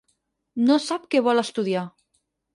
No sap què vol estudiar.